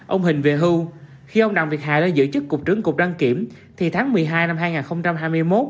ông hình về hưu khi ông đặng việt hà lên giữ chức cục trưởng cục đăng kiểm thì tháng một mươi hai năm